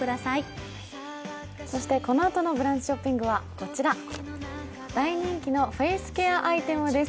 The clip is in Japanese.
このあとの「ブランチショッピング」は、こちら大人気のフェイスケアアイテムです。